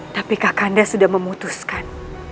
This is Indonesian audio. tapi kak kandah sudah memutuskan